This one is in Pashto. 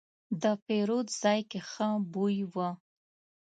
د پیرود ځای کې ښه بوی و.